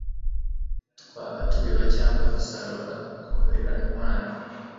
Twaba tubiba cyangwa dusarura, dukorera Imana.